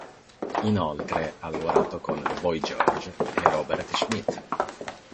Inoltre ha lavorato con Boy George e Robert Smith.